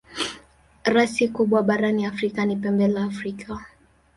Rasi kubwa barani Afrika ni Pembe la Afrika.